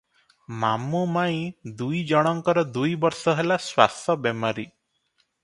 ମାମୁ ମାଇଁ ଦୁଇ ଜଣଙ୍କର ଦୁଇ ବର୍ଷ ହେଲା ଶ୍ୱାସ ବେମାରୀ ।